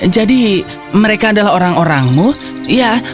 jadi mereka adalah orang orang yang berpengalaman